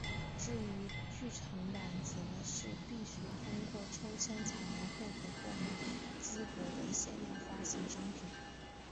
至于剧场版则是必须透过抽签才能获得购买资格的限量发行商品。